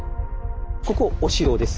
ここお城です。